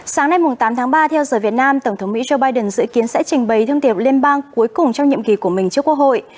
sáng nay tám tháng ba theo giờ việt nam tổng thống mỹ joe biden dự kiến sẽ trình bày thông điệp liên bang cuối cùng trong nhiệm kỳ của mình trước quốc hội